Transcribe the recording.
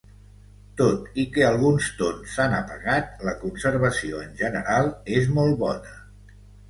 Tot i que alguns tons s'han apagat, la conservació en general és molt bona.